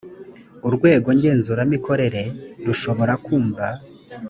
urwego ngenzuramikorere rushobora kumva